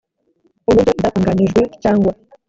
uburyo ibyatunganyijwe cyangwa